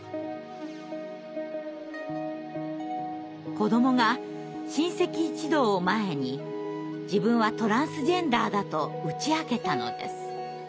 子どもが親戚一同を前に自分はトランスジェンダーだと打ち明けたのです。